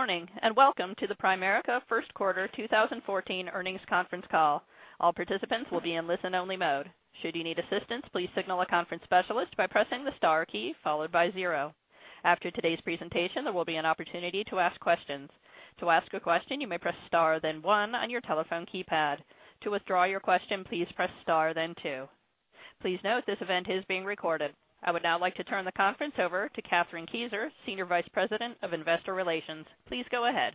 Good morning, and welcome to the Primerica first quarter 2014 earnings conference call. All participants will be in listen only mode. Should you need assistance, please signal a conference specialist by pressing the star key followed by zero. After today's presentation, there will be an opportunity to ask questions. To ask a question, you may press star then one on your telephone keypad. To withdraw your question, please press star then two. Please note this event is being recorded. I would now like to turn the conference over to Kathryn Kieser, Senior Vice President of Investor Relations. Please go ahead.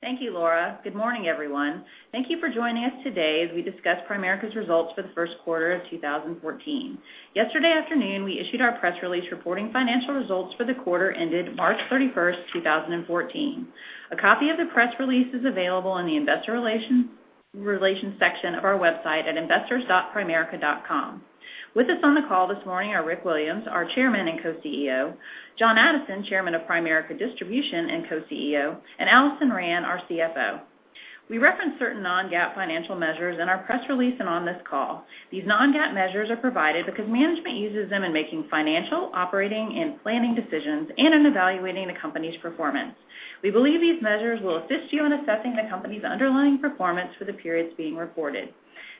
Thank you, Laura. Good morning, everyone. Thank you for joining us today as we discuss Primerica's results for the first quarter of 2014. Yesterday afternoon, we issued our press release reporting financial results for the quarter ended March 31st, 2014. A copy of the press release is available in the investor relations section of our website at investors.primerica.com. With us on the call this morning are Rick Williams, our Chairman and Co-CEO, John Addison, Chairman of Primerica Distribution and Co-CEO, and Alison Rand, our CFO. We reference certain non-GAAP financial measures in our press release and on this call. These non-GAAP measures are provided because management uses them in making financial, operating, and planning decisions and in evaluating the company's performance. We believe these measures will assist you in assessing the company's underlying performance for the periods being reported.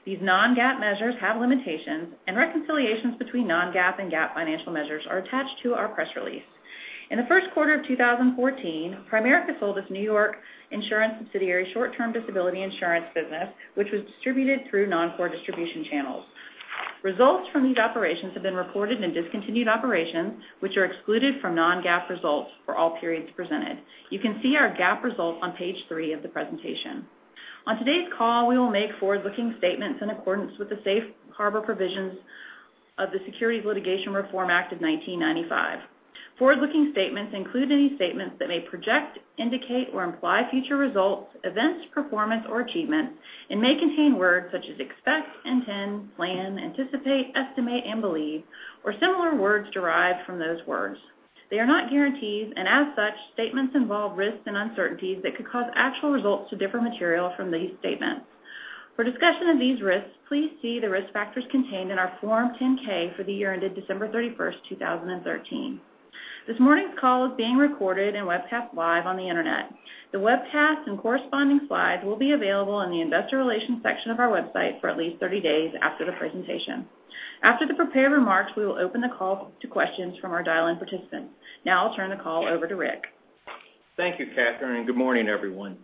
These non-GAAP measures have limitations. Reconciliations between non-GAAP and GAAP financial measures are attached to our press release. In the first quarter of 2014, Primerica sold its New York Insurance subsidiary short-term disability insurance business which was distributed through non-core distribution channels. Results from these operations have been reported in discontinued operations which are excluded from non-GAAP results for all periods presented. You can see our GAAP results on page three of the presentation. On today's call, we will make forward-looking statements in accordance with the safe harbor provisions of the Securities Litigation Reform Act of 1995. Forward-looking statements include any statements that may project, indicate, or imply future results, events, performance, or achievements and may contain words such as expect, intend, plan, anticipate, estimate, and believe, or similar words derived from those words. They are not guarantees. As such, statements involve risks and uncertainties that could cause actual results to differ materially from these statements. For discussion of these risks, please see the risk factors contained in our Form 10-K for the year ended December 31st, 2013. This morning's call is being recorded and webcast live on the internet. The webcast and corresponding slides will be available in the investor relations section of our website for at least 30 days after the presentation. After the prepared remarks, we will open the call to questions from our dial-in participants. I'll turn the call over to Rick. Thank you, Kathryn, and good morning, everyone.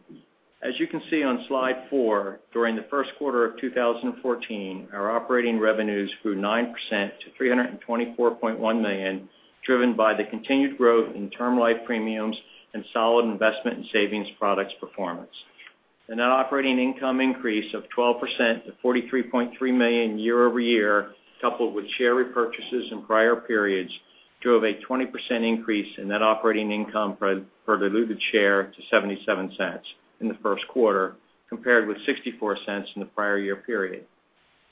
As you can see on slide four, during the first quarter of 2014, our operating revenues grew 9% to $324.1 million, driven by the continued growth in Term Life premiums and solid investment and savings products performance. The net operating income increase of 12% to $43.3 million year-over-year, coupled with share repurchases in prior periods, drove a 20% increase in net operating income per diluted share to $0.77 in the first quarter, compared with $0.64 in the prior year period.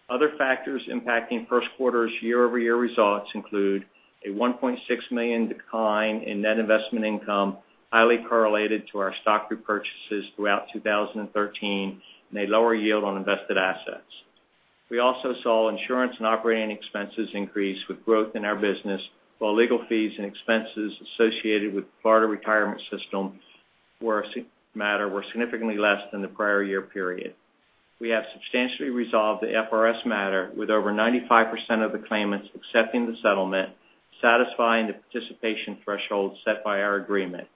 Other factors impacting first quarter's year-over-year results include a $1.6 million decline in net investment income, highly correlated to our stock repurchases throughout 2013 and a lower yield on invested assets. We also saw insurance and operating expenses increase with growth in our business while legal fees and expenses associated with Florida Retirement System matter were significantly less than the prior year period. We have substantially resolved the FRS matter with over 95% of the claimants accepting the settlement, satisfying the participation threshold set by our agreement.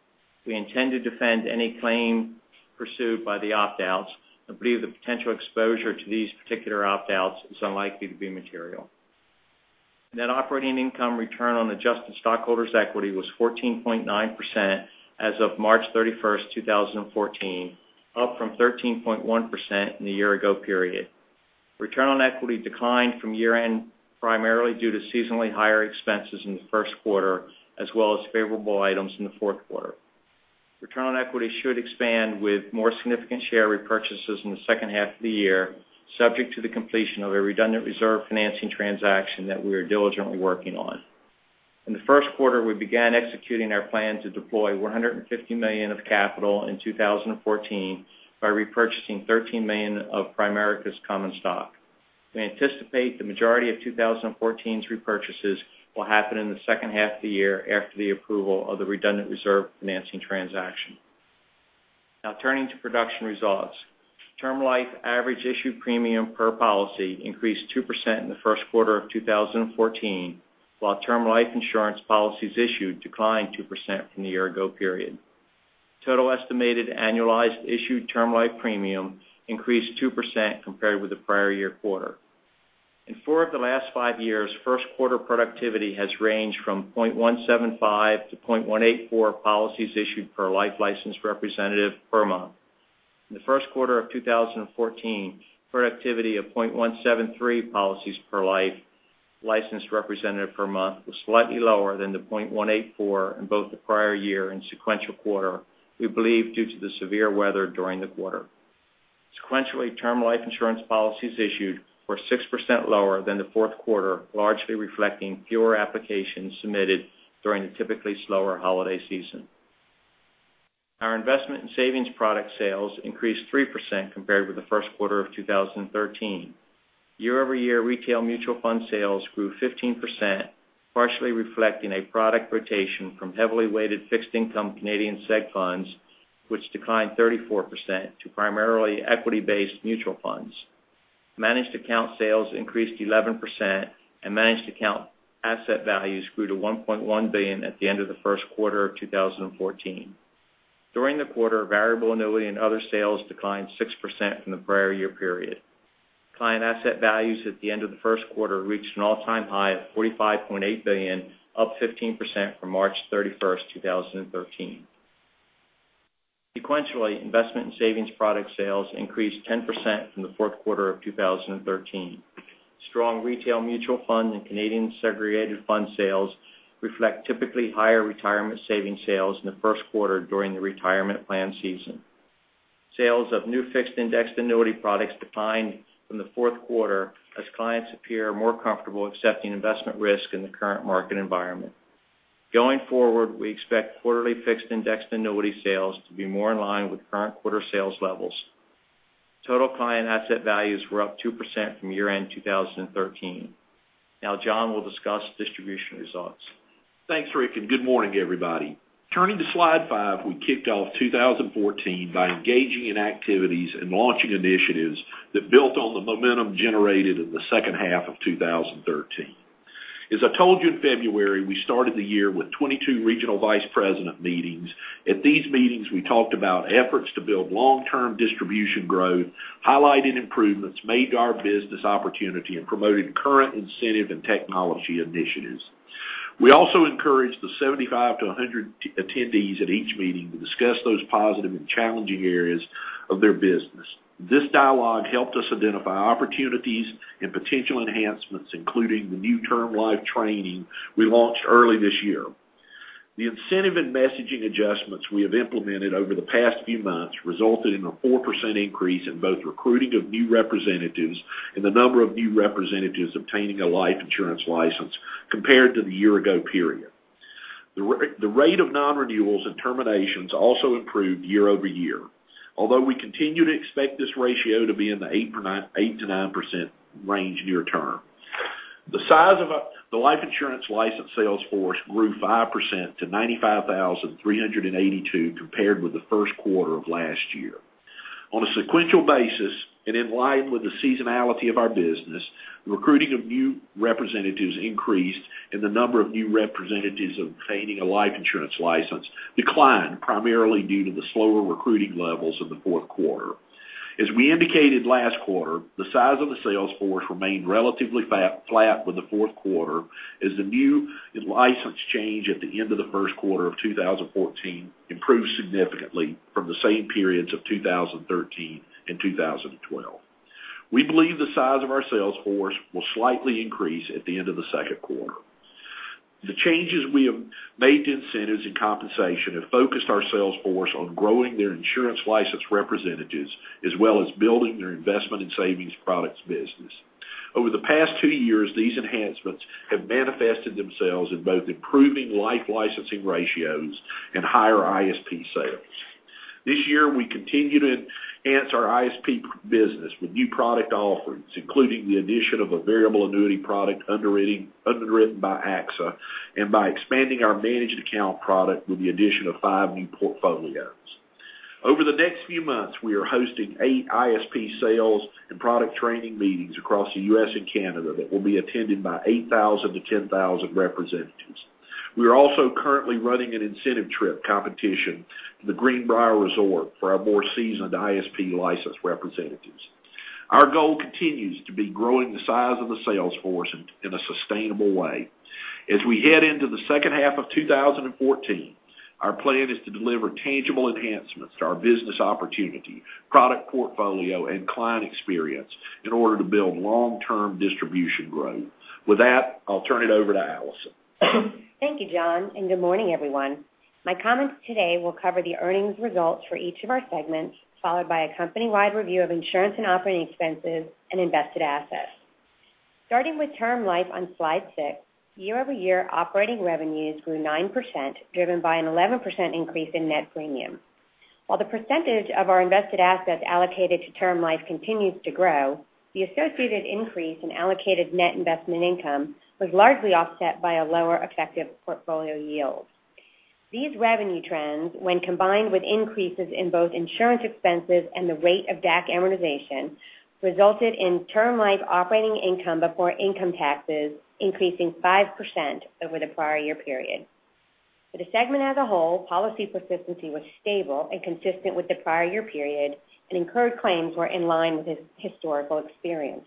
We intend to defend any claim pursued by the opt-outs and believe the potential exposure to these particular opt-outs is unlikely to be material. Net operating income return on adjusted stockholders' equity was 14.9% as of March 31st, 2014, up from 13.1% in the year ago period. Return on equity declined from year end primarily due to seasonally higher expenses in the first quarter as well as favorable items in the fourth quarter. Return on equity should expand with more significant share repurchases in the second half of the year, subject to the completion of a redundant reserve financing transaction that we are diligently working on. In the first quarter, we began executing our plan to deploy $150 million of capital in 2014 by repurchasing $13 million of Primerica's common stock. We anticipate the majority of 2014's repurchases will happen in the second half of the year after the approval of the redundant reserve financing transaction. Turning to production results. Term Life average issue premium per policy increased 2% in the first quarter of 2014 while Term Life insurance policies issued declined 2% from the year ago period. Total estimated annualized issued Term Life premium increased 2% compared with the prior year quarter. In four of the last five years, first quarter productivity has ranged from 0.175 to 0.184 policies issued per life licensed representative per month. In the first quarter of 2014, productivity of 0.173 policies per life licensed representative per month was slightly lower than the 0.184 in both the prior year and sequential quarter, we believe due to the severe weather during the quarter. Sequentially, Term Life insurance policies issued were 6% lower than the fourth quarter, largely reflecting fewer applications submitted during the typically slower holiday season. Our investment and savings product sales increased 3% compared with the first quarter of 2013. Year-over-year retail mutual fund sales grew 15%, partially reflecting a product rotation from heavily weighted fixed income Canadian seg funds, which declined 34% to primarily equity-based mutual funds. Managed account sales increased 11%, and managed account asset values grew to $1.1 billion at the end of the first quarter of 2014. During the quarter, variable annuity and other sales declined 6% from the prior year period. Client asset values at the end of the first quarter reached an all-time high of $45.8 billion, up 15% from March 31st, 2013. Sequentially, investment and savings product sales increased 10% from the fourth quarter of 2013. Strong retail mutual fund and Canadian segregated fund sales reflect typically higher retirement savings sales in the first quarter during the retirement plan season. Sales of new fixed-indexed annuity products declined from the fourth quarter as clients appear more comfortable accepting investment risk in the current market environment. Going forward, we expect quarterly fixed-indexed annuity sales to be more in line with current quarter sales levels. Total client asset values were up 2% from year-end 2013. Now John will discuss distribution results. Thanks, Rick, and good morning, everybody. Turning to slide five, we kicked off 2014 by engaging in activities and launching initiatives that built on the momentum generated in the second half of 2013. As I told you in February, we started the year with 22 Regional Vice President meetings. At these meetings, we talked about efforts to build long-term distribution growth, highlighted improvements made to our business opportunity, and promoted current incentive and technology initiatives. We also encouraged the 75 to 100 attendees at each meeting to discuss those positive and challenging areas of their business. This dialogue helped us identify opportunities and potential enhancements, including the new Term Life training we launched early this year. The incentive and messaging adjustments we have implemented over the past few months resulted in a 4% increase in both recruiting of new representatives and the number of new representatives obtaining a life insurance license compared to the year-ago period. The rate of nonrenewals and terminations also improved year-over-year. Although we continue to expect this ratio to be in the 8%-9% range near-term. The size of the life insurance license sales force grew 5% to 95,382 compared with the first quarter of last year. On a sequential basis, and in line with the seasonality of our business, recruiting of new representatives increased, and the number of new representatives obtaining a life insurance license declined, primarily due to the slower recruiting levels of the fourth quarter. As we indicated last quarter, the size of the sales force remained relatively flat for the fourth quarter as the new license change at the end of the first quarter of 2014 improved significantly from the same periods of 2013 and 2012. We believe the size of our sales force will slightly increase at the end of the second quarter. The changes we have made to incentives and compensation have focused our sales force on growing their insurance license representatives, as well as building their investment and savings products business. Over the past two years, these enhancements have manifested themselves in both improving life licensing ratios and higher ISP sales. This year, we continue to enhance our ISP business with new product offerings, including the addition of a variable annuity product underwritten by AXA and by expanding our managed account product with the addition of five new portfolios. Over the next few months, we are hosting eight ISP sales and product training meetings across the U.S. and Canada that will be attended by 8,000-10,000 representatives. We are also currently running an incentive trip competition to the Greenbrier Resort for our more seasoned ISP-licensed representatives. Our goal continues to be growing the size of the sales force in a sustainable way. As we head into the second half of 2014, our plan is to deliver tangible enhancements to our business opportunity, product portfolio, and client experience in order to build long-term distribution growth. With that, I'll turn it over to Alison. Thank you, John. Good morning, everyone. My comments today will cover the earnings results for each of our segments, followed by a company-wide review of insurance and operating expenses and invested assets. Starting with Term Life on slide six, year-over-year operating revenues grew 9%, driven by an 11% increase in net premium. While the percentage of our invested assets allocated to Term Life continues to grow, the associated increase in allocated net investment income was largely offset by a lower effective portfolio yield. These revenue trends, when combined with increases in both insurance expenses and the rate of DAC amortization, resulted in Term Life operating income before income taxes increasing 5% over the prior year period. For the segment as a whole, policy persistency was stable and consistent with the prior year period, and incurred claims were in line with historical experience.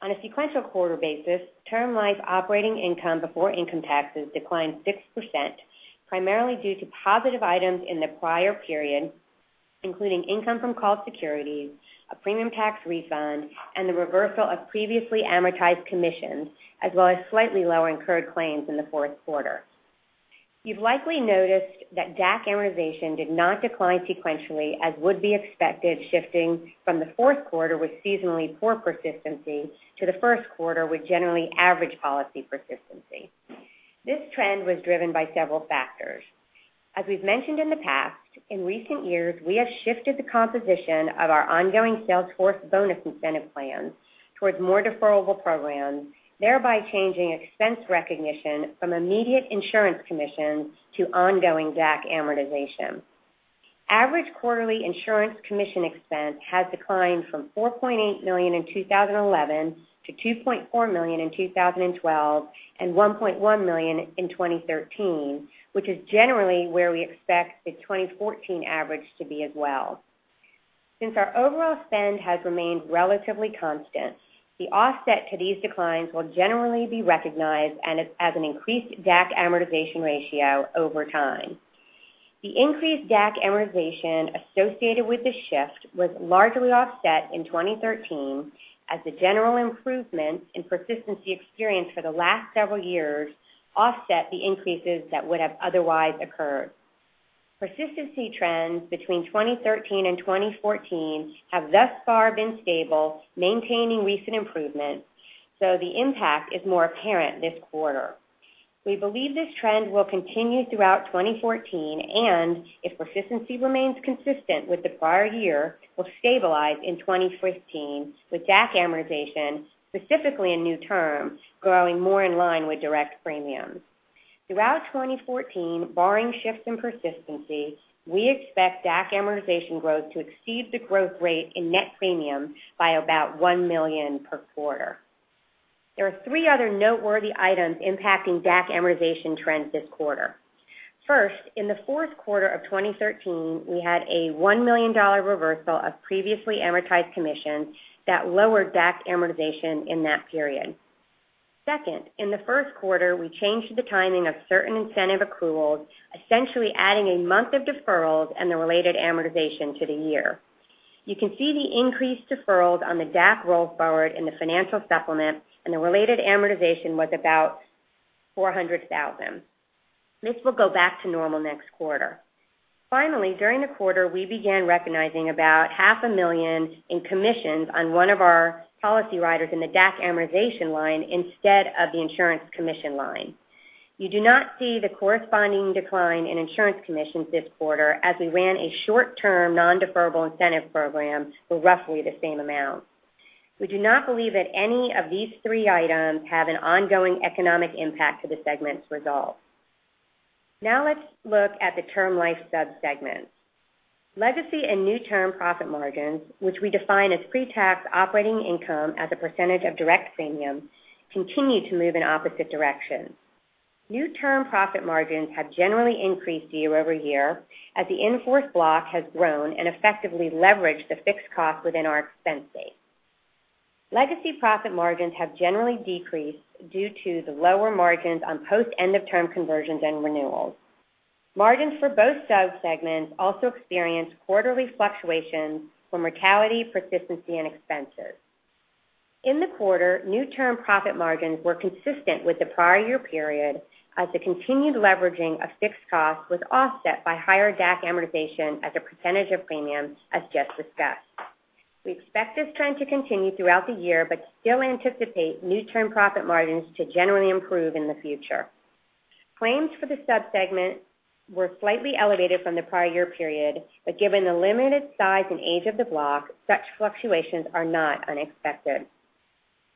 On a sequential quarter basis, Term Life operating income before income taxes declined 6%, primarily due to positive items in the prior period, including income from called securities, a premium tax refund, and the reversal of previously amortized commissions, as well as slightly lower incurred claims in the fourth quarter. You've likely noticed that DAC amortization did not decline sequentially as would be expected, shifting from the fourth quarter with seasonally poor persistency to the first quarter with generally average policy persistency. This trend was driven by several factors. As we've mentioned in the past, in recent years, we have shifted the composition of our ongoing sales force bonus incentive plans towards more deferrable programs, thereby changing expense recognition from immediate insurance commissions to ongoing DAC amortization. Average quarterly insurance commission expense has declined from $4.8 million in 2011 to $2.4 million in 2012 and $1.1 million in 2013, which is generally where we expect the 2014 average to be as well. Since our overall spend has remained relatively constant, the offset to these declines will generally be recognized as an increased DAC amortization ratio over time. The increased DAC amortization associated with the shift was largely offset in 2013 as the general improvements in persistency experience for the last several years offset the increases that would have otherwise occurred. Persistency trends between 2013 and 2014 have thus far been stable, maintaining recent improvements, so the impact is more apparent this quarter. We believe this trend will continue throughout 2014 and, if persistency remains consistent with the prior year, will stabilize in 2015, with DAC amortization, specifically in new Term Life, growing more in line with direct premiums. Throughout 2014, barring shifts in persistency, we expect DAC amortization growth to exceed the growth rate in net premiums by about $1 million per quarter. There are three other noteworthy items impacting DAC amortization trends this quarter. First, in the fourth quarter of 2013, we had a $1 million reversal of previously amortized commissions that lowered DAC amortization in that period. Second, in the first quarter, we changed the timing of certain incentive accruals, essentially adding a month of deferrals and the related amortization to the year. You can see the increased deferrals on the DAC roll forward in the financial supplement, and the related amortization was about $400,000. This will go back to normal next quarter. During the quarter, we began recognizing about half a million in commissions on one of our policy riders in the DAC amortization line instead of the insurance commission line. You do not see the corresponding decline in insurance commissions this quarter, as we ran a short-term, non-deferrable incentive program for roughly the same amount. We do not believe that any of these three items have an ongoing economic impact to the segment's results. Let's look at the Term Life sub-segment. Legacy and new Term Life profit margins, which we define as pre-tax operating income as a percentage of direct premiums, continue to move in opposite directions. New Term Life profit margins have generally increased year over year as the in-force block has grown and effectively leveraged the fixed costs within our expense base. Legacy profit margins have generally decreased due to the lower margins on post-end of Term Life conversions and renewals. Margins for both sub-segments also experience quarterly fluctuations from mortality, persistency, and expenses. In the quarter, new Term Life profit margins were consistent with the prior year period as the continued leveraging of fixed costs was offset by higher DAC amortization as a percentage of premiums, as just discussed. We expect this trend to continue throughout the year, but still anticipate new Term Life profit margins to generally improve in the future. Claims for the sub-segment were slightly elevated from the prior year period, but given the limited size and age of the block, such fluctuations are not unexpected.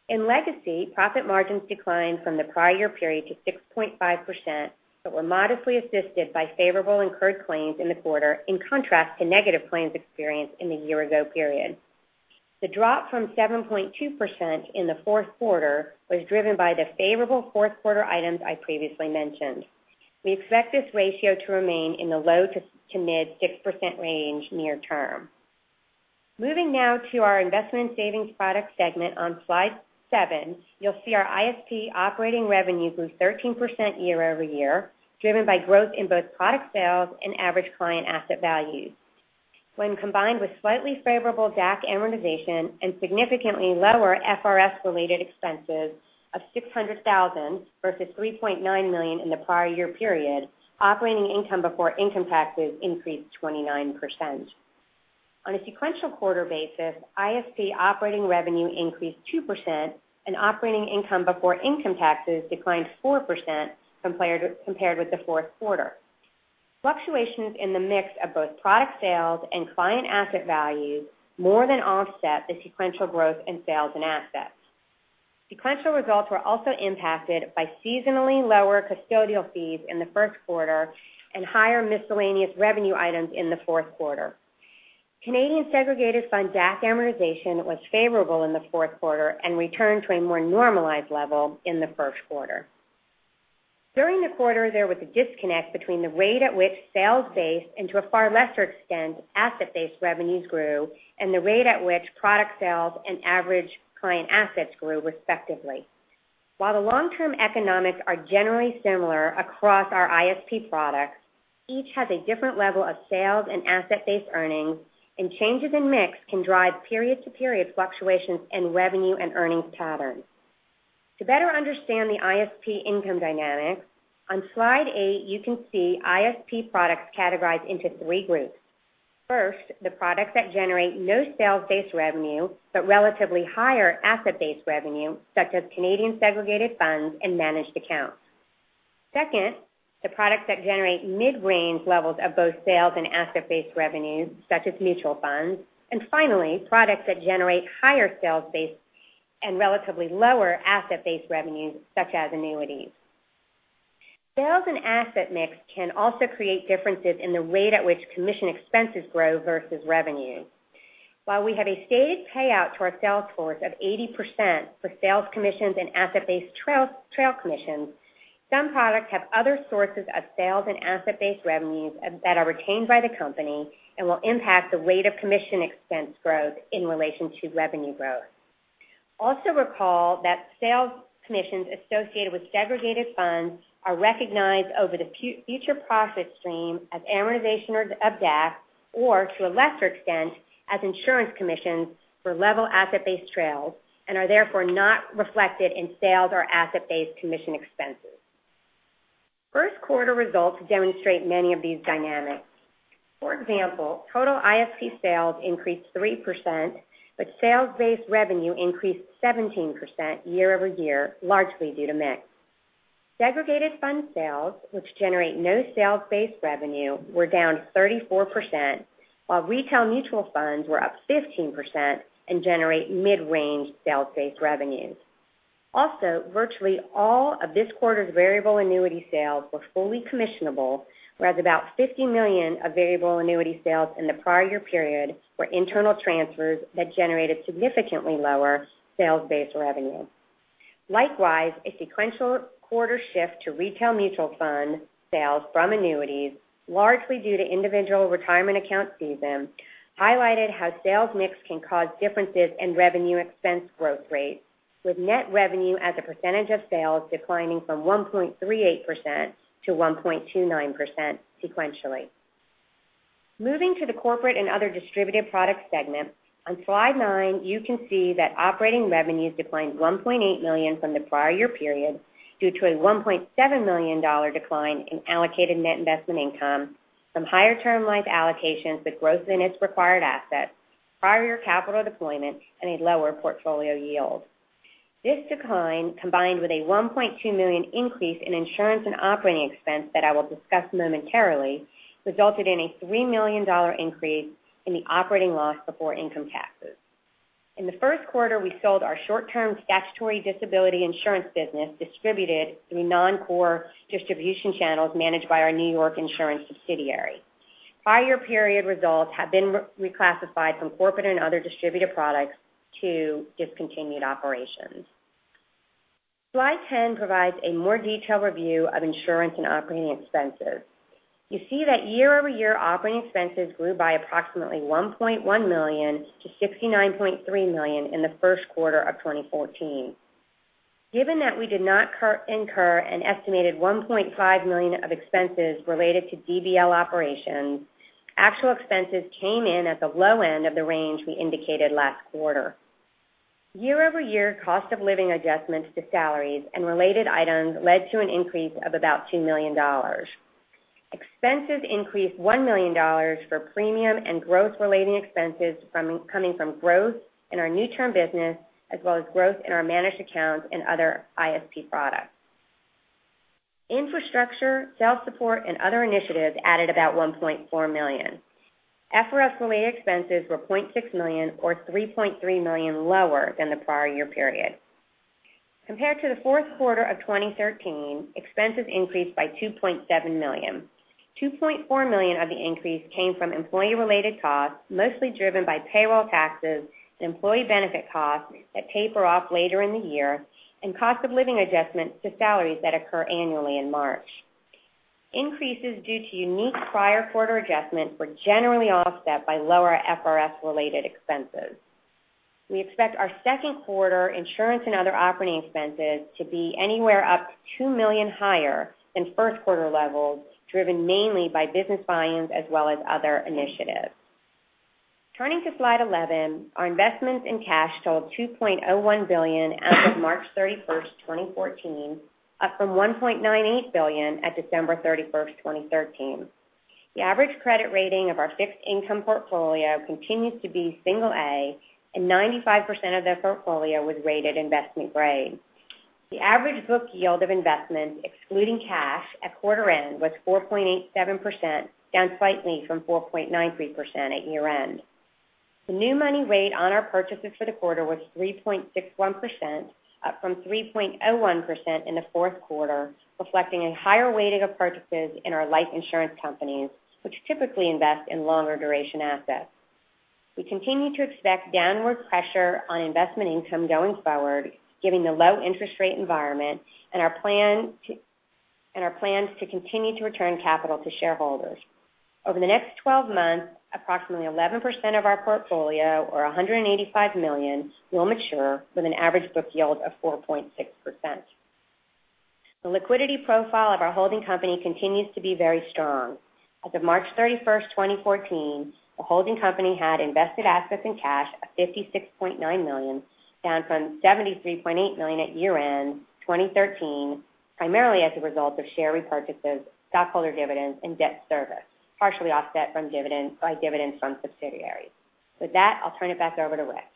In legacy, profit margins declined from the prior year period to 6.5%, but were modestly assisted by favorable incurred claims in the quarter, in contrast to negative claims experience in the year-ago period. The drop from 7.2% in the fourth quarter was driven by the favorable fourth quarter items I previously mentioned. We expect this ratio to remain in the low to mid 6% range near term. Moving now to our Investment Savings Product segment on Slide seven, you'll see our ISP operating revenue grew 13% year-over-year, driven by growth in both product sales and average client asset values. When combined with slightly favorable DAC amortization and significantly lower FRS-related expenses of $600,000 versus $3.9 million in the prior year period, operating income before income taxes increased 29%. On a sequential quarter basis, ISP operating revenue increased 2%, and operating income before income taxes declined 4% compared with the fourth quarter. Fluctuations in the mix of both product sales and client asset values more than offset the sequential growth in sales and assets. Sequential results were also impacted by seasonally lower custodial fees in the first quarter and higher miscellaneous revenue items in the fourth quarter. Canadian segregated fund DAC amortization was favorable in the fourth quarter and returned to a more normalized level in the first quarter. During the quarter, there was a disconnect between the rate at which sales-based, and to a far lesser extent, asset-based revenues grew and the rate at which product sales and average client assets grew, respectively. While the long-term economics are generally similar across our ISP products, each has a different level of sales and asset-based earnings, and changes in mix can drive period-to-period fluctuations in revenue and earnings patterns. To better understand the ISP income dynamics, on Slide eight, you can see ISP products categorized into three groups. First, the products that generate no sales-based revenue, but relatively higher asset-based revenue, such as Canadian segregated funds and managed accounts. Second, the products that generate mid-range levels of both sales and asset-based revenues, such as mutual funds. Finally, products that generate higher sales-based and relatively lower asset-based revenues, such as annuities. Sales and asset mix can also create differences in the rate at which commission expenses grow versus revenue. While we have a stated payout to our sales force of 80% for sales commissions and asset-based trail commissions, some products have other sources of sales and asset-based revenues that are retained by the company and will impact the rate of commission expense growth in relation to revenue growth. Also recall that sales commissions associated with segregated funds are recognized over the future profit stream as amortization of DAC, or, to a lesser extent, as insurance commissions for level asset-based trails, and are therefore not reflected in sales or asset-based commission expenses. First quarter results demonstrate many of these dynamics. For example, total ISP sales increased 3%, but sales-based revenue increased 17% year-over-year, largely due to mix. Segregated fund sales, which generate no sales-based revenue, were down 34%, while retail mutual funds were up 15% and generate mid-range sales-based revenues. Also, virtually all of this quarter's variable annuity sales were fully commissionable, whereas about $50 million of variable annuity sales in the prior year period were internal transfers that generated significantly lower sales-based revenue. Likewise, a sequential quarter shift to retail mutual fund sales from annuities, largely due to Individual Retirement Account season, highlighted how sales mix can cause differences in revenue expense growth rates, with net revenue as a percentage of sales declining from 1.38%-1.29% sequentially. Moving to the corporate and other distributed products segment, on slide nine, you can see that operating revenues declined $1.8 million from the prior year period due to a $1.7 million decline in allocated net investment income from higher Term Life allocations that growth in its required assets, prior year capital deployment, and a lower portfolio yield. This decline, combined with a $1.2 million increase in insurance and operating expense that I will discuss momentarily, resulted in a $3 million increase in the operating loss before income taxes. In the first quarter, we sold our short-term statutory disability insurance business, distributed through non-core distribution channels managed by our New York insurance subsidiary. Prior year period results have been reclassified from corporate and other distributed products to discontinued operations. Slide 10 provides a more detailed review of insurance and operating expenses. You see that year-over-year operating expenses grew by approximately $1.1 million to $69.3 million in the first quarter of 2014. Given that we did not incur an estimated $1.5 million of expenses related to DBL operations, actual expenses came in at the low end of the range we indicated last quarter. Year-over-year cost of living adjustments to salaries and related items led to an increase of about $2 million. Expenses increased $1 million for premium and growth-related expenses coming from growth in our new Term business as well as growth in our managed accounts and other ISP products. Infrastructure, sales support, and other initiatives added about $1.4 million. FRS-related expenses were $0.6 million, or $3.3 million lower than the prior year period. Compared to the fourth quarter of 2013, expenses increased by $2.7 million. $2.4 million of the increase came from employee-related costs, mostly driven by payroll taxes and employee benefit costs that taper off later in the year and cost of living adjustments to salaries that occur annually in March. Increases due to unique prior quarter adjustments were generally offset by lower FRS-related expenses. We expect our second quarter insurance and other operating expenses to be anywhere up to $2 million higher than first quarter levels, driven mainly by business volumes as well as other initiatives. Turning to slide 11, our investments in cash totaled $2.01 billion as of March 31st, 2014, up from $1.98 billion at December 31st, 2013. The average credit rating of our fixed income portfolio continues to be single A, and 95% of the portfolio was rated investment grade. The average book yield of investments, excluding cash, at quarter end was 4.87%, down slightly from 4.93% at year end. The new money rate on our purchases for the quarter was 3.61%, up from 3.01% in the fourth quarter, reflecting a higher weighting of purchases in our life insurance companies, which typically invest in longer duration assets. We continue to expect downward pressure on investment income going forward, given the low interest rate environment and our plans to continue to return capital to shareholders. Over the next 12 months, approximately 11% of our portfolio or $185 million, will mature with an average book yield of 4.6%. The liquidity profile of our holding company continues to be very strong. As of March 31st, 2014, the holding company had invested assets in cash of $56.9 million, down from $73.8 million at year end 2013, primarily as a result of share repurchases, stockholder dividends, and debt service, partially offset by dividends from subsidiaries. With that, I'll turn it back over to Rick.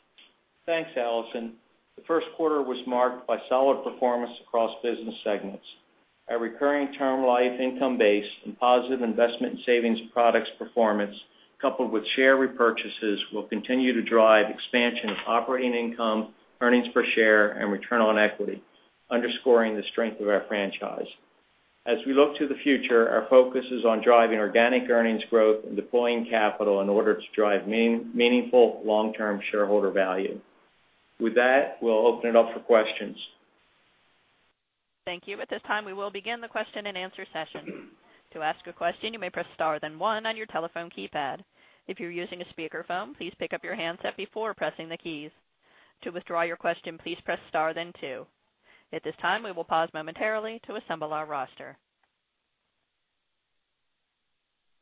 Thanks, Alison. The first quarter was marked by solid performance across business segments. Our recurring Term Life income base and positive investment and savings products performance, coupled with share repurchases, will continue to drive expansion of operating income, earnings per share, and return on equity, underscoring the strength of our franchise. As we look to the future, our focus is on driving organic earnings growth and deploying capital in order to drive meaningful long-term shareholder value. With that, we'll open it up for questions. Thank you. At this time, we will begin the question and answer session. To ask a question, you may press star, then one on your telephone keypad. If you're using a speakerphone, please pick up your handset before pressing the keys. To withdraw your question, please press star, then two. At this time, we will pause momentarily to assemble our roster.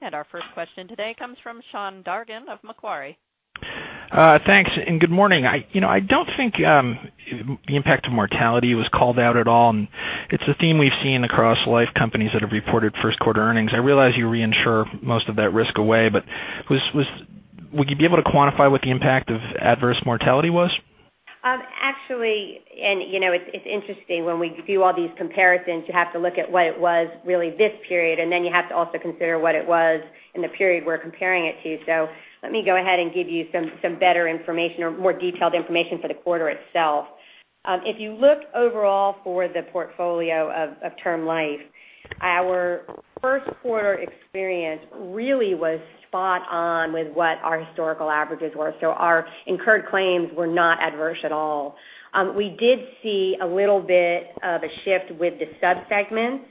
Our first question today comes from Sean Dargan of Macquarie. Thanks, good morning. I don't think the impact of mortality was called out at all, and it's a theme we've seen across life companies that have reported first-quarter earnings. I realize you reinsure most of that risk away, but would you be able to quantify what the impact of adverse mortality was? Actually, it's interesting when we do all these comparisons, you have to look at what it was really this period, then you have to also consider what it was in the period we're comparing it to. Let me go ahead and give you some better information or more detailed information for the quarter itself. If you look overall for the portfolio of Term Life, our first quarter experience really was spot on with what our historical averages were. Our incurred claims were not adverse at all. We did see a little bit of a shift with the sub-segments.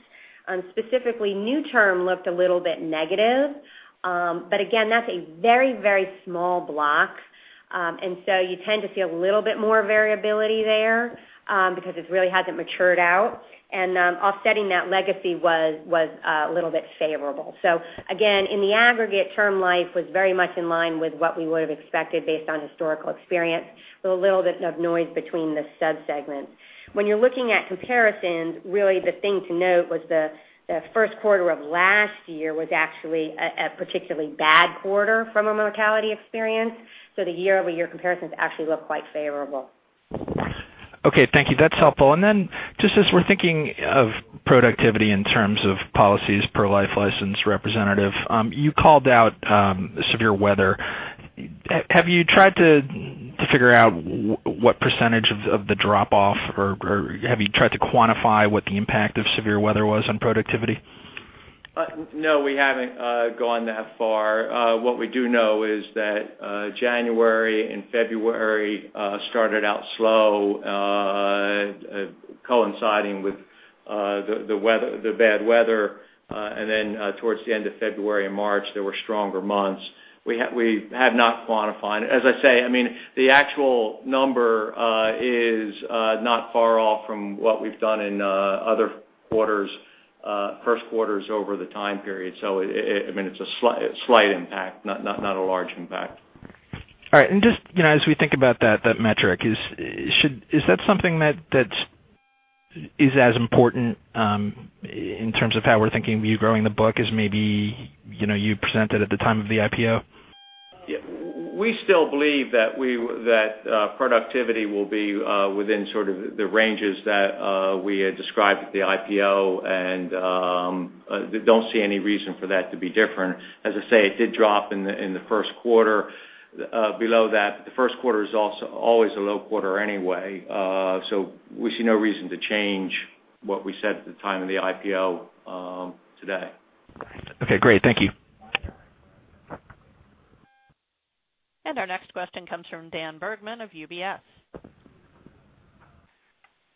Specifically, new Term Life looked a little bit negative. Again, that's a very small block. You tend to see a little bit more variability there, because it really hasn't matured out, and offsetting that legacy was a little bit favorable. Again, in the aggregate, Term Life was very much in line with what we would've expected based on historical experience, with a little bit of noise between the sub-segments. When you're looking at comparisons, really the thing to note was the first quarter of last year was actually a particularly bad quarter from a mortality experience. The year-over-year comparisons actually look quite favorable. Okay. Thank you. That's helpful. Just as we're thinking of productivity in terms of policies per life license representative, you called out severe weather. Have you tried to figure out what % of the drop-off, or have you tried to quantify what the impact of severe weather was on productivity? No, we haven't gone that far. What we do know is that January and February started out slow coinciding with the bad weather. Towards the end of February and March, there were stronger months. We have not quantified. As I say, the actual number is not far off from what we've done in other first quarters over the time period. It's a slight impact, not a large impact. All right. Just as we think about that metric, is that something that is as important in terms of how we're thinking of you growing the book as maybe you presented at the time of the IPO? We still believe that productivity will be within sort of the ranges that we had described at the IPO. Don't see any reason for that to be different. As I say, it did drop in the first quarter below that. The first quarter is always a low quarter anyway. We see no reason to change what we said at the time of the IPO today. Okay, great. Thank you. Our next question comes from Daniel Bergman of UBS.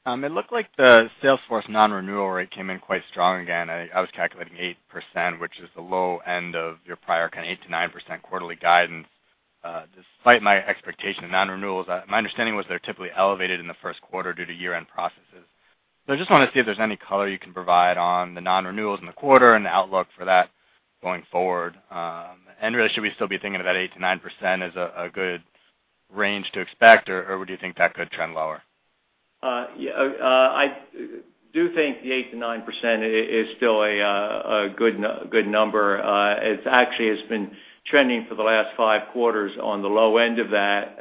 It looked like the sales force non-renewal rate came in quite strong again. I was calculating 8%, which is the low end of your prior kind of 8%-9% quarterly guidance. Despite my expectation of non-renewals, my understanding was they're typically elevated in the first quarter due to year-end processes. I just want to see if there's any color you can provide on the non-renewals in the quarter and the outlook for that going forward. Really, should we still be thinking of that 8%-9% as a good range to expect, or would you think that could trend lower? I do think the 8% to 9% is still a good number. It actually has been trending for the last five quarters on the low end of that.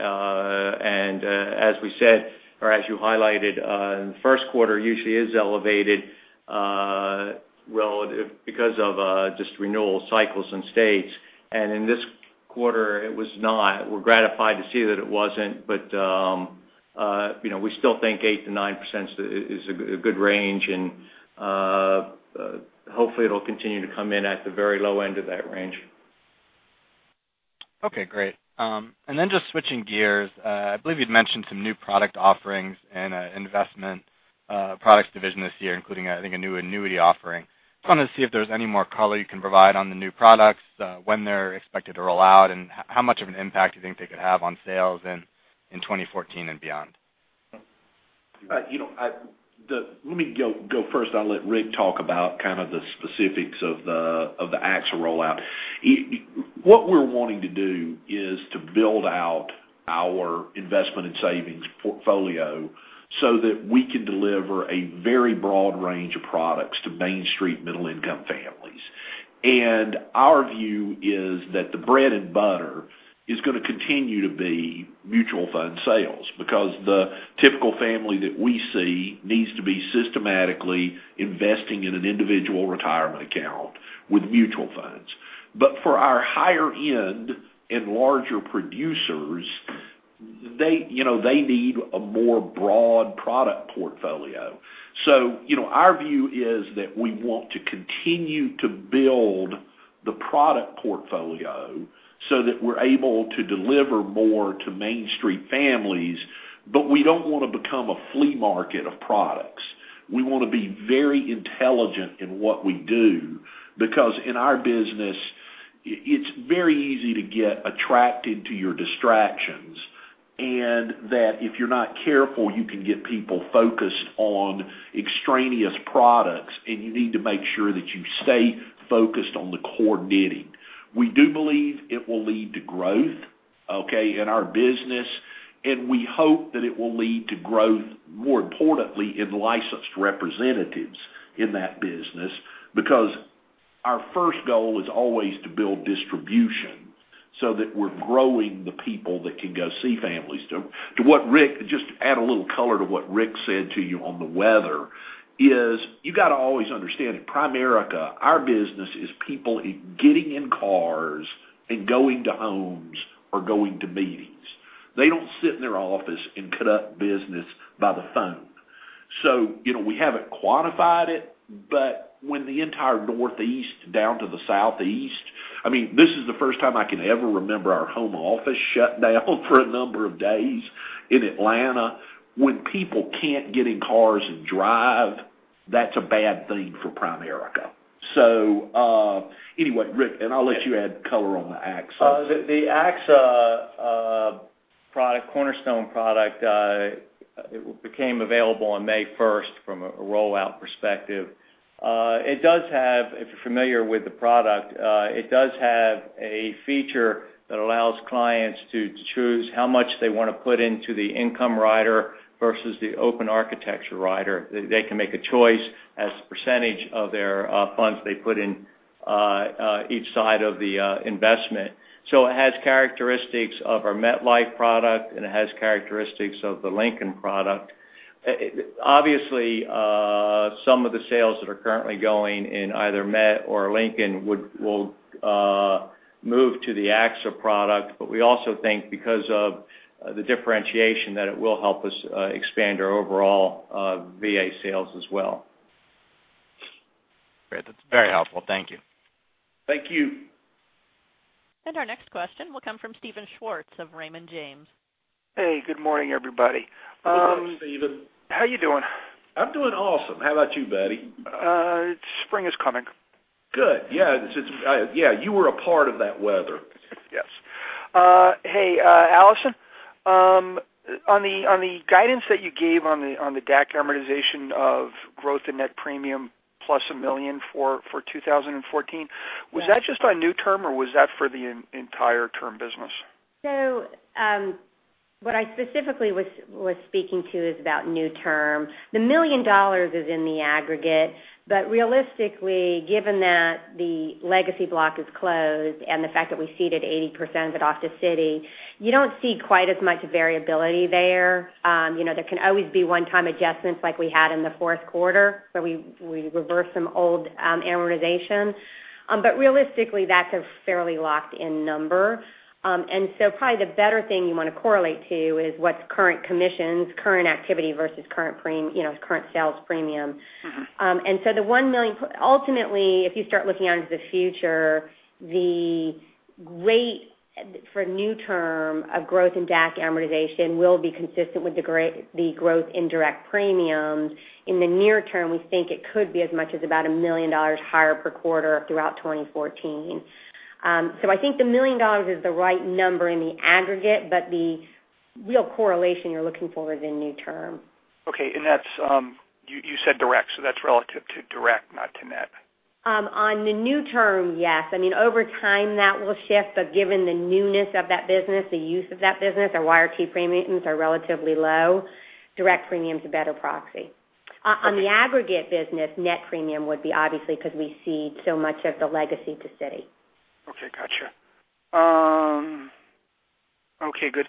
As we said, or as you highlighted, first quarter usually is elevated because of just renewal cycles and states. In this quarter, it was not. We're gratified to see that it wasn't, but we still think 8% to 9% is a good range and hopefully it'll continue to come in at the very low end of that range. Okay, great. Just switching gears, I believe you'd mentioned some new product offerings and an investment products division this year, including I think a new annuity offering. Just wanted to see if there's any more color you can provide on the new products, when they're expected to roll out, and how much of an impact do you think they could have on sales in 2014 and beyond? Let me go first. I'll let Rick talk about kind of the specifics of the actual rollout. What we're wanting to do is to build out our investment and savings portfolio so that we can deliver a very broad range of products to Main Street middle-income families. Our view is that the bread and butter is going to continue to be mutual fund sales, because the typical family that we see needs to be systematically investing in an Individual Retirement Account with mutual funds. For our higher end and larger producers, they need a more broad product portfolio. Our view is that we want to continue to build the product portfolio so that we're able to deliver more to Main Street families, but we don't want to become a flea market of products. We want to be very intelligent in what we do, because in our business, it's very easy to get attracted to your distractions, and that if you're not careful, you can get people focused on extraneous products, and you need to make sure that you stay focused on the core knitting. We do believe it will lead to growth, okay, in our business, and we hope that it will lead to growth, more importantly, in licensed representatives in that business. Because our first goal is always to build distribution so that we're growing the people that can go see families. To just add a little color to what Rick said to you on the weather is, you got to always understand, at Primerica, our business is people getting in cars and going to homes or going to meetings. They don't sit in their office and conduct business by the phone. We haven't quantified it, but when the entire Northeast down to the Southeast, this is the first time I can ever remember our home office shut down for a number of days in Atlanta. When people can't get in cars and drive, that's a bad thing for Primerica. Anyway, Rick, I'll let you add color on the AXA. The AXA Cornerstone product, it became available on May 1st from a rollout perspective. If you're familiar with the product, it does have a feature that allows clients to choose how much they want to put into the income rider versus the open architecture rider. They can make a choice as a percentage of their funds they put in each side of the investment. It has characteristics of our MetLife product, and it has characteristics of the Lincoln product. Obviously, some of the sales that are currently going in either Met or Lincoln will move to the AXA product. We also think because of the differentiation, that it will help us expand our overall VA sales as well. Great. That's very helpful. Thank you. Thank you. Our next question will come from Steven Schwartz of Raymond James. Hey, good morning, everybody. Good morning, Steven. How you doing? I'm doing awesome. How about you, buddy? Spring is coming. Good. Yeah. You were a part of that weather. Yes. Hey, Alison, on the guidance that you gave on the DAC amortization of growth in net premium plus $1 million for 2014. Yes. Was that just on new Term Life, or was that for the entire Term Life business? What I specifically was speaking to is about new Term Life. The $1 million is in the aggregate. Realistically, given that the legacy block is closed and the fact that we ceded 80% of it off to Citi, you don't see quite as much variability there. There can always be one-time adjustments like we had in the fourth quarter, where we reversed some old amortization. Realistically, that's a fairly locked-in number. Probably the better thing you want to correlate to is what's current commissions, current activity versus current sales premium. The $1 million, ultimately, if you start looking out into the future, the rate for new Term Life of growth in DAC amortization will be consistent with the growth in direct premiums. In the near term, we think it could be as much as about $1 million higher per quarter throughout 2014. I think the $1 million is the right number in the aggregate, but the real correlation you're looking for is in new Term Life. Okay. You said direct, that's relative to direct, not to net. On the new term, yes. Over time, that will shift, but given the newness of that business, the use of that business, our YRT premiums are relatively low. Direct premium is a better proxy. Okay. On the aggregate business, net premium would be obviously because we cede so much of the legacy to Citi. Okay, got you. Okay, good.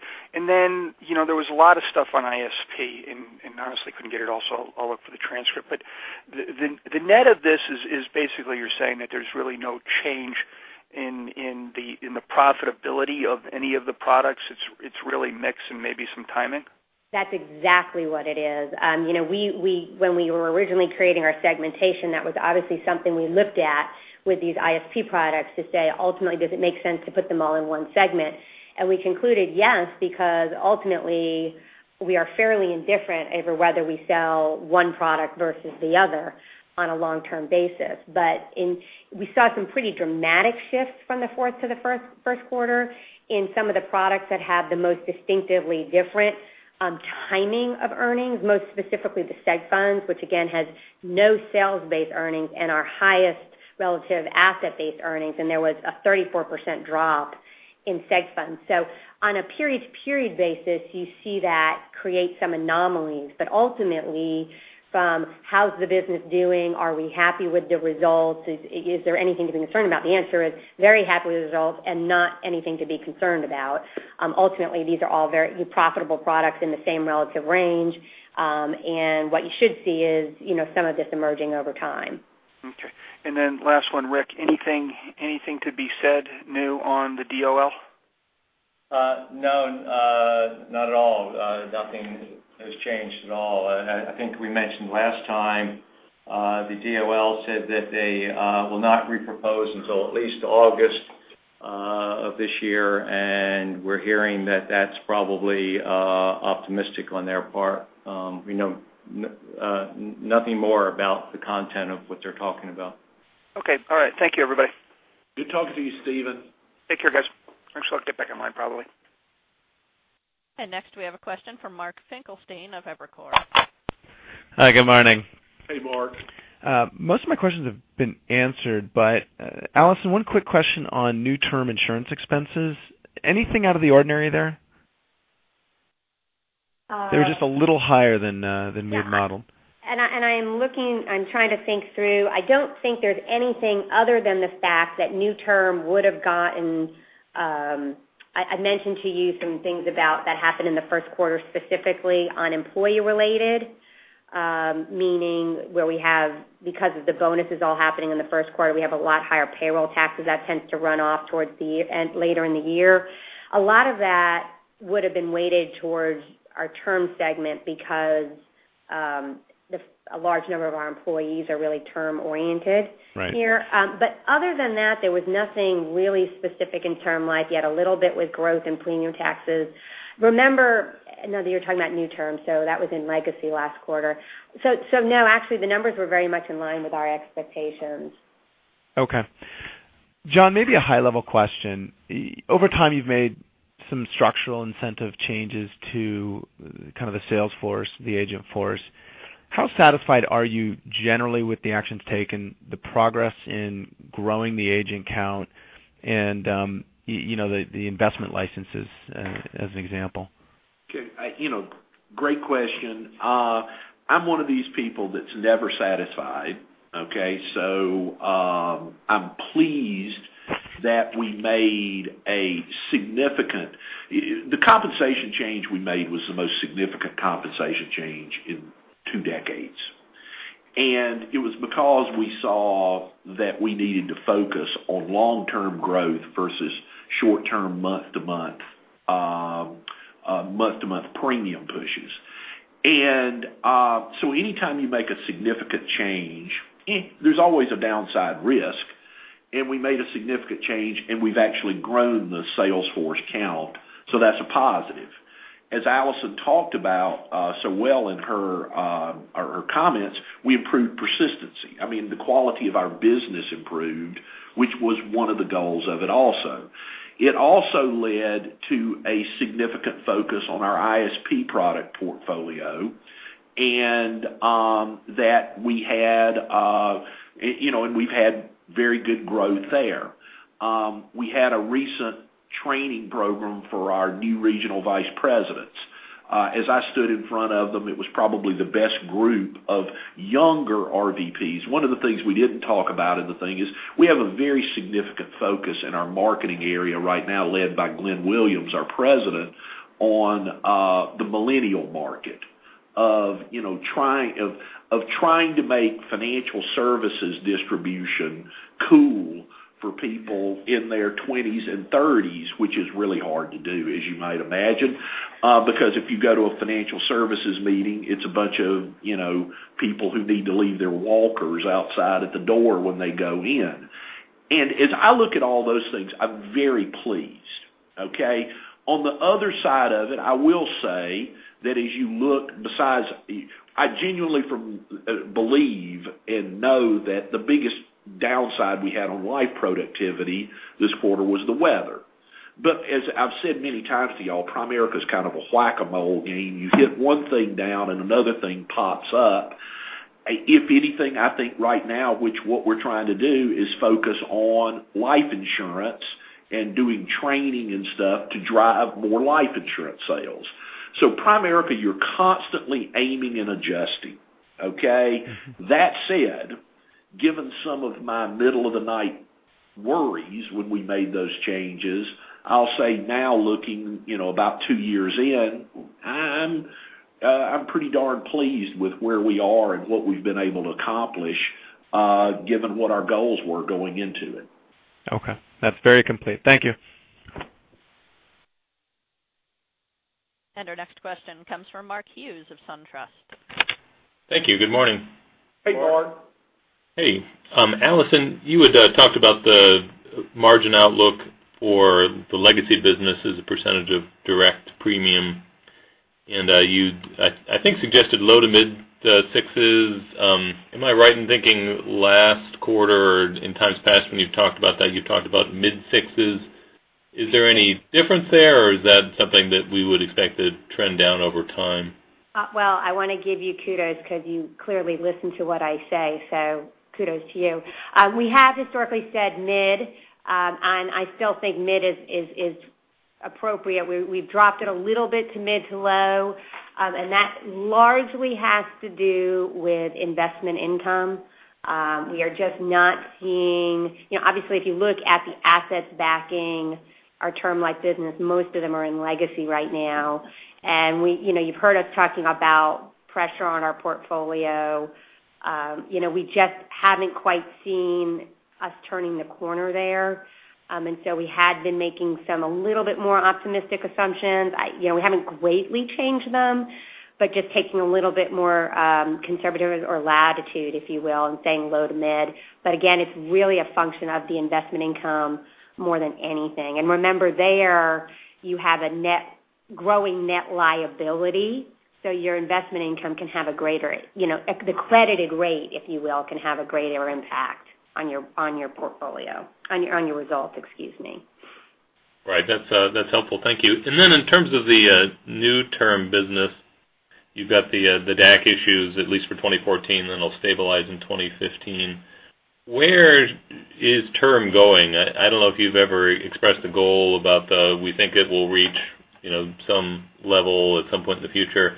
There was a lot of stuff on ISP, honestly, couldn't get it all, so I'll look for the transcript. The net of this is basically you're saying that there's really no change in the profitability of any of the products. It's really mix and maybe some timing? That's exactly what it is. When we were originally creating our segmentation, that was obviously something we looked at with these ISP products to say, ultimately, does it make sense to put them all in one segment? We concluded, yes, because ultimately, we are fairly indifferent over whether we sell one product versus the other on a long-term basis. We saw some pretty dramatic shifts from the fourth to the first quarter in some of the products that have the most distinctively different timing of earnings, most specifically the seg funds, which again, has no sales-based earnings and our highest relative asset-based earnings, there was a 34% drop in seg funds. On a period-to-period basis, you see that create some anomalies. Ultimately, from how's the business doing, are we happy with the results, is there anything to be concerned about? The answer is very happy with the results and not anything to be concerned about. Ultimately, these are all very profitable products in the same relative range. What you should see is some of this emerging over time. Okay. Last one, Rick, anything to be said new on the DOL? No, not at all. Nothing has changed at all. I think we mentioned last time, the DOL said that they will not repropose until at least August of this year, and we're hearing that that's probably optimistic on their part. We know nothing more about the content of what they're talking about. Okay, all right. Thank you, everybody. Good talking to you, Steven. Take care, guys. I'm just going to get back in line, probably. Next we have a question from Mark Finkelstein of Evercore. Hi, good morning. Hey, Mark. Most of my questions have been answered, Alison, one quick question on new Term insurance expenses. Anything out of the ordinary there? Uh- They were just a little higher than mid model. I'm trying to think through. I don't think there's anything other than the fact that new Term would have gotten I mentioned to you some things about that happened in the first quarter, specifically on employee related, meaning where we have, because of the bonuses all happening in the first quarter, we have a lot higher payroll taxes that tends to run off towards the end, later in the year. A lot of that would have been weighted towards our Term segment because a large number of our employees are really Term oriented here. Right. Other than that, there was nothing really specific in Term Life. You had a little bit with growth and premium taxes. Remember, you're talking about new terms, so that was in legacy last quarter. Actually, the numbers were very much in line with our expectations. Okay. John, maybe a high-level question. Over time, you've made some structural incentive changes to kind of the sales force, the agent force. How satisfied are you generally with the actions taken, the progress in growing the agent count and the investment licenses, as an example? Okay. Great question. I'm one of these people that's never satisfied, okay? I'm pleased that we made a significant, the compensation change we made was the most significant compensation change in two decades. It was because we saw that we needed to focus on long-term growth versus short-term month-to-month premium pushes. Anytime you make a significant change, there's always a downside risk. We made a significant change, and we've actually grown the sales force count, so that's a positive. As Alison talked about so well in her comments, we improved persistency. I mean, the quality of our business improved, which was one of the goals of it also. It also led to a significant focus on our ISP product portfolio, and we've had very good growth there. We had a recent training program for our new Regional Vice Presidents. As I stood in front of them, it was probably the best group of younger RVPs. One of the things we didn't talk about in the thing is we have a very significant focus in our marketing area right now, led by Glenn Williams, our President, on the millennial market, of trying to make financial services distribution cool for people in their 20s and 30s, which is really hard to do, as you might imagine. Because if you go to a financial services meeting, it's a bunch of people who need to leave their walkers outside at the door when they go in. As I look at all those things, I'm very pleased, okay? On the other side of it, I will say that as you look besides, I genuinely believe and know that the biggest downside we had on life productivity this quarter was the weather. As I've said many times to you all, Primerica is kind of a whack-a-mole game. You hit one thing down and another thing pops up. If anything, I think right now, what we're trying to do is focus on life insurance and doing training and stuff to drive more life insurance sales. Primerica, you're constantly aiming and adjusting, okay? That said, given some of my middle of the night worries when we made those changes, I'll say now looking about two years in, I'm pretty darn pleased with where we are and what we've been able to accomplish, given what our goals were going into it. Okay. That's very complete. Thank you. Our next question comes from Mark Hughes of SunTrust. Thank you. Good morning. Hey, Mark. Hey. Alison, you had talked about the margin outlook for the legacy business as a percentage of direct premium, you, I think, suggested low to mid sixes. Am I right in thinking last quarter? Any difference there, or is that something that we would expect to trend down over time? I want to give you kudos because you clearly listen to what I say. Kudos to you. We have historically said mid. I still think mid is appropriate. We've dropped it a little bit to mid to low. That largely has to do with investment income. We are just not seeing. Obviously, if you look at the assets backing our Term Life business, most of them are in legacy right now. You've heard us talking about pressure on our portfolio. We just haven't quite seen us turning the corner there. We had been making some a little bit more optimistic assumptions. We haven't greatly changed them, but just taking a little bit more conservative or latitude, if you will, and saying low to mid. Again, it's really a function of the investment income more than anything. Remember there, you have a growing net liability, so your investment income can have a greater, the credited rate, if you will, can have a greater impact on your portfolio, on your results, excuse me. Right. That's helpful. Thank you. Then in terms of the new Term Life business, you've got the DAC issues at least for 2014. It'll stabilize in 2015. Where is Term Life going? I don't know if you've ever expressed a goal about the. We think it will reach some level at some point in the future.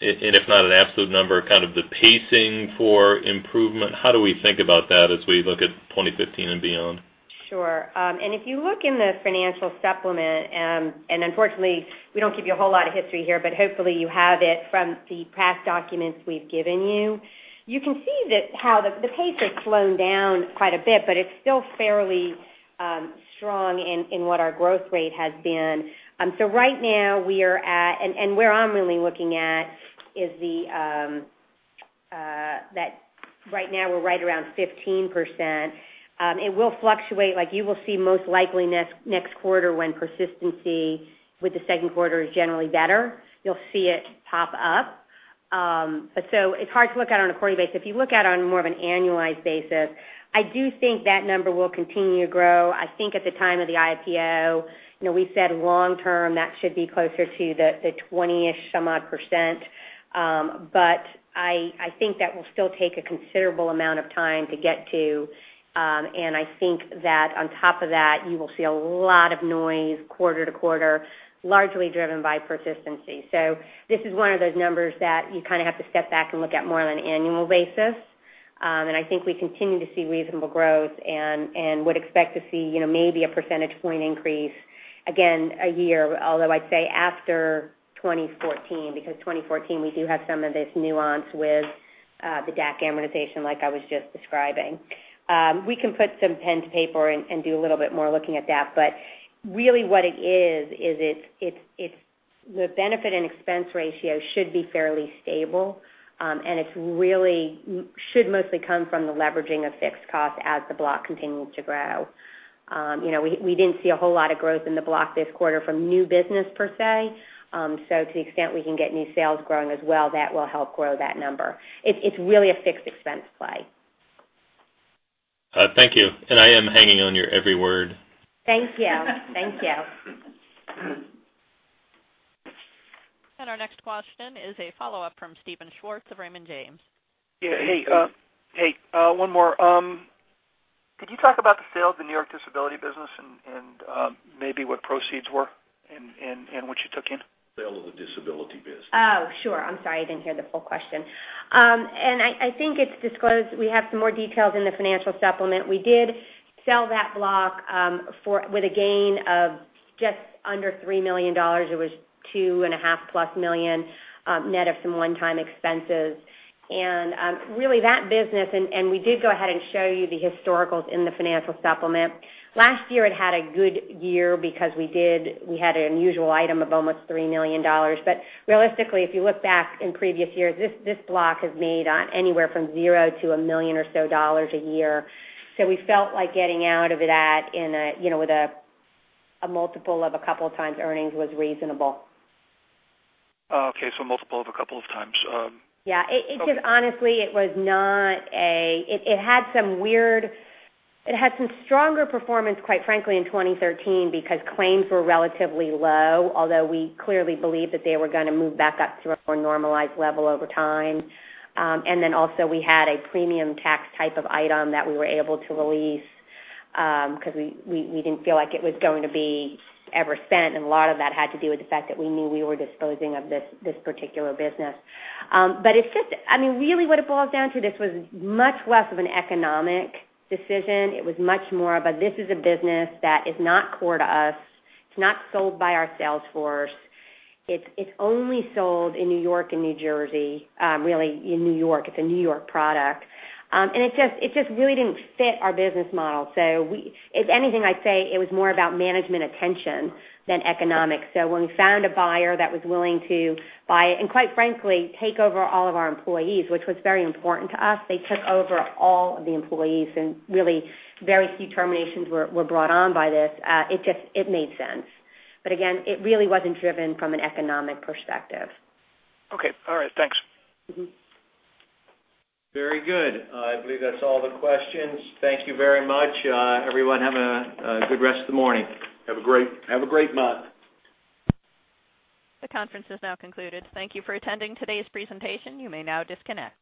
If not an absolute number, kind of the pacing for improvement. How do we think about that as we look at 2015 and beyond? Sure. If you look in the financial supplement. Unfortunately, we don't give you a whole lot of history here, but hopefully you have it from the past documents we've given you. You can see how the pace has slowed down quite a bit, but it's still fairly strong in what our growth rate has been. Right now, we are at. Where I'm really looking at is that right now we're right around 15%. It will fluctuate. You will see most likely next quarter when persistency with the second quarter is generally better. You'll see it pop up. It's hard to look at on a quarter basis. If you look at it on more of an annualized basis, I do think that number will continue to grow. I think at the time of the IPO, we said long term, that should be closer to the 20-ish some odd percent. I think that will still take a considerable amount of time to get to. I think that on top of that, you will see a lot of noise quarter to quarter, largely driven by persistency. This is one of those numbers that you kind of have to step back and look at more on an annual basis. I think we continue to see reasonable growth and would expect to see maybe a percentage point increase again a year. Although I'd say after 2014, because 2014, we do have some of this nuance with the DAC amortization like I was just describing. We can put some pen to paper and do a little bit more looking at that. Really what it is, the benefit and expense ratio should be fairly stable. It really should mostly come from the leveraging of fixed costs as the block continues to grow. We didn't see a whole lot of growth in the block this quarter from new business per se. To the extent we can get new sales growing as well, that will help grow that number. It's really a fixed expense play. Thank you. I am hanging on your every word. Thank you. Thank you. Our next question is a follow-up from Steven Schwartz of Raymond James. Yeah. Hey. One more. Could you talk about the sale of the New York disability business and maybe what proceeds were and what you took in? Sale of the disability business. Oh, sure. I'm sorry. I didn't hear the full question. I think it's disclosed. We have some more details in the financial supplement. Last year, it had a good year because we had an unusual item of almost $3 million. It was $two and half plus million net of some one-time expenses. Realistically, if you look back in previous years, this block has made anywhere from zero to $1 million or so a year. We felt like getting out of that with a multiple of a couple of times earnings was reasonable. Okay. multiple of a couple of times. Yeah. It just honestly, it had some stronger performance, quite frankly, in 2013 because claims were relatively low, although we clearly believed that they were going to move back up to a more normalized level over time. Also we had a premium tax type of item that we were able to release because we didn't feel like it was going to be ever spent, and a lot of that had to do with the fact that we knew we were disposing of this particular business. I mean, really what it boils down to, this was much less of an economic decision. It was much more of a, this is a business that is not core to us. It's not sold by our sales force. It's only sold in New York and New Jersey, really in New York. It's a New York product. It just really didn't fit our business model. If anything, I'd say it was more about management attention than economics. When we found a buyer that was willing to buy it and quite frankly, take over all of our employees, which was very important to us, they took over all of the employees and really very few terminations were brought on by this. It made sense. Again, it really wasn't driven from an economic perspective. Okay. All right. Thanks. Very good. I believe that's all the questions. Thank you very much. Everyone have a good rest of the morning. Have a great month. The conference is now concluded. Thank you for attending today's presentation. You may now disconnect.